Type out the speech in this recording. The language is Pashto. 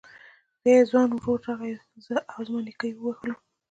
بيا يې ځوان ورور راغی زه او زما نيکه يې ووهلو.